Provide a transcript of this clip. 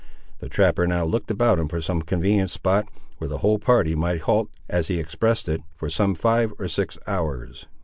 The trapper now looked about him for some convenient spot, where the whole party might halt, as he expressed it, for some five or six hours.